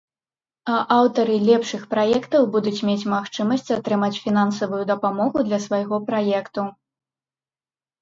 А аўтары лепшых праектаў будуць мець магчымасць атрымаць фінансавую дапамогу для свайго праекту!